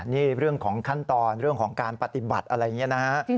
นี่เรื่องของขั้นตอนเรื่องของการปฏิบัติอะไรอย่างนี้นะฮะ